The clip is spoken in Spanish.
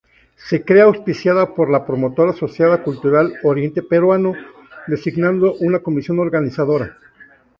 Se crea auspiciada por la promotora Asociación Cultural Oriente Peruano, designando una Comisión Organizadora.